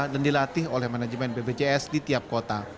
dan dilatih oleh manajemen bpjs di tiap kota